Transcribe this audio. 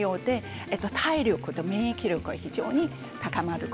体力と免疫力が非常に高まります。